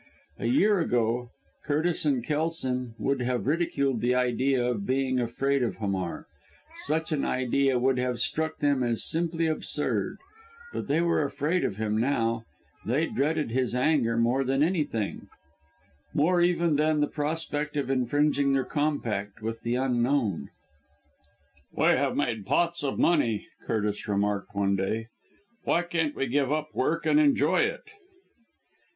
A year ago, Curtis and Kelson would have ridiculed the idea of being afraid of Hamar such an idea would have struck them as simply absurd; but they were afraid of him now, they dreaded his anger more than anything, more even than the prospect of infringing their compact with the Unknown. "We have made pots of money," Curtis remarked one day. "Why can't we give up work and enjoy it?"